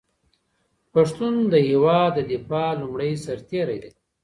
پښتون د هېواد د دفاع لومړی سرتېری دی.